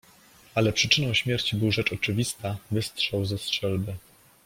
"Ale przyczyną śmierci był, rzecz oczywista, wystrzał ze strzelby."